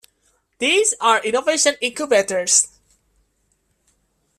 These are innovation incubators.